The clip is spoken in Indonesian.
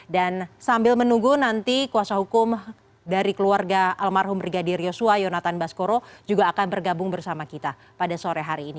sambil menunggu nanti kuasa hukum dari keluarga almarhum brigadir yosua yonatan baskoro juga akan bergabung bersama kita pada sore hari ini